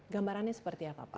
gambarannya seperti apa pak